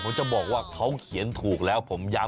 ผมจะบอกว่าเขาเขียนถูกแล้วผมย้ำ